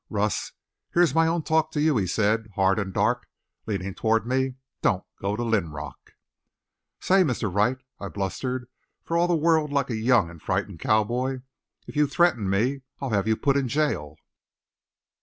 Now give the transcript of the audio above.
"Russ, here's my own talk to you," he said, hard and dark, leaning toward me. "Don't go to Linrock." "Say, Mr. Wright," I blustered for all the world like a young and frightened cowboy, "If you threaten me I'll have you put in jail!"